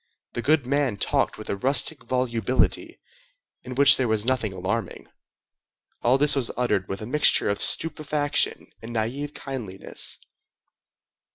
The goodman talked with a rustic volubility, in which there was nothing alarming. All this was uttered with a mixture of stupefaction and naïve kindliness.